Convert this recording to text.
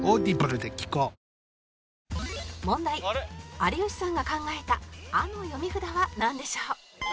有吉さんが考えた「あ」の読み札はなんでしょう？